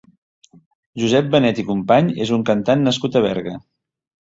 Josep Benet i Company és un cantant nascut a Berga.